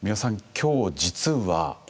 今日実は。